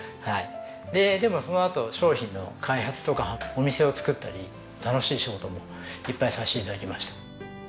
でもそのあと商品の開発とかお店をつくったり楽しい仕事もいっぱいさせて頂きました。